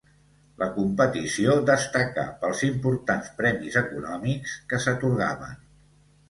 La competició destacà pels importants premis econòmics que s'atorgaven.